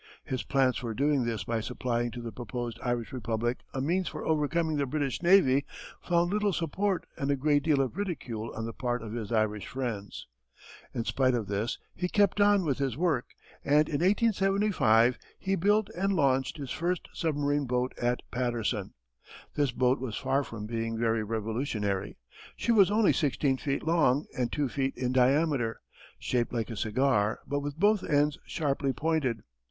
His plans for doing this by supplying to the proposed Irish Republic a means for overcoming the British navy found little support and a great deal of ridicule on the part of his Irish friends. In spite of this he kept on with his work and in 1875 he built and launched his first submarine boat at Paterson. This boat was far from being very revolutionary. She was only sixteen feet long and two feet in diameter, shaped like a cigar but with both ends sharply pointed.